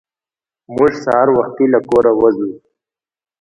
موږ سهار وختي له کوره وځو.